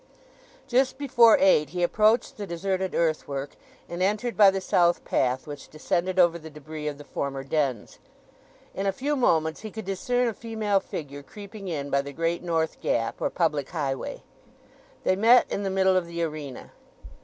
Just before eight he approached the deserted earth work and entered by the south path which descended over the débris of the former dens. In a few moments he could discern a female figure creeping in by the great north gap, or public gateway. They met in the middle of the arena.